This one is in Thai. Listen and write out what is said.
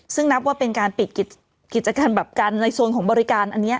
ซึ่งนับว่าเป็นการปิดกิจการแบบกันในโซนของบริการอันนี้